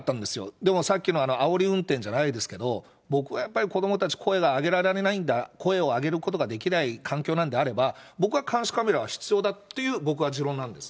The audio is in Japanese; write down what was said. でも、さっきのあおり運転じゃないですけど、僕はやっぱり、子どもたち、声を上げることができない環境なんであれば、僕は監視カメラは必要だっていう、僕は持論なんですよ。